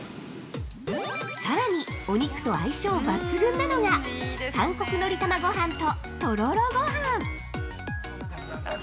◆さらに、お肉と相性抜群なのが韓国のり玉ごはんととろろごはん。